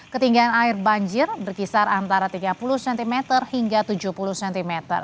ketinggian air banjir berkisar antara tiga puluh cm hingga tujuh puluh cm